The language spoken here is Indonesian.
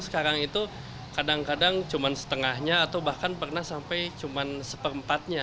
sekarang itu kadang kadang cuma setengahnya atau bahkan pernah sampai cuma seperempatnya